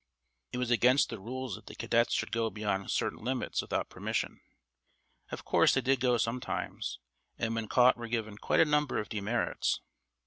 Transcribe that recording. It was against the rules that the cadets should go beyond certain limits without permission. Of course they did go sometimes, and when caught were given quite a number of "demerits."